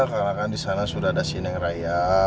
karena kan disana sudah ada sineng raya